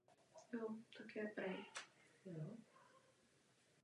Ta byla již dříve z důvodu Mussoliniho pádu zakázána.